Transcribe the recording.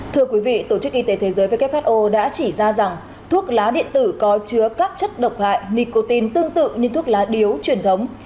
thưa quý vị tổ chức y tế thế giới who đã chỉ ra rằng thuốc lá điện tử có chứa các chất độc hại nicotine tương tự như thuốc lá điếu truyền thống